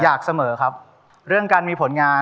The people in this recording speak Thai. อยากเสมอครับเรื่องการมีผลงาน